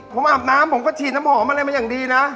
ผมอาบน้ำผมก็ฉีดน้ำหอมอะไรมาอย่างดีนะ